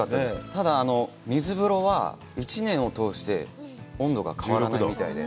ただ、水風呂は、１年を通して温度が変わらないみたいで。